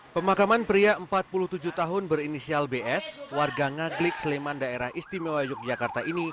pemakaman pria empat puluh tujuh tahun berinisial bs warga ngaglik sleman daerah istimewa yogyakarta ini